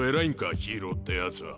ヒーローって奴は。